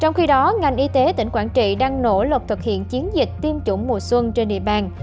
trong khi đó ngành y tế tỉnh quảng trị đang nỗ lực thực hiện chiến dịch tiêm chủng mùa xuân trên địa bàn